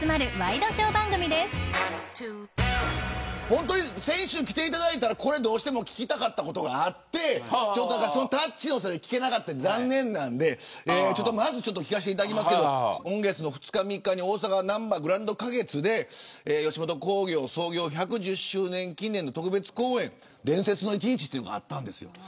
本当に先週来ていただいたらこれ、どうしても聞きたかったことがあってタッチの差で聞けなくて残念なんでまず聞かせていただきますけれど今月の２日、３日に大阪、なんばグランド花月で吉本興業、創業１３０周年記念の特別公演伝説の一日があったんです。